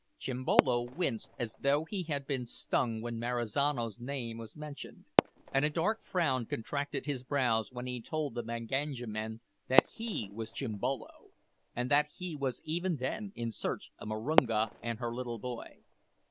Chimbolo winced as though he had been stung when Marizano's name was mentioned, and a dark frown contracted his brows when he told the Manganja men that he was Chimbolo, and that he was even then in search of Marunga and her little boy.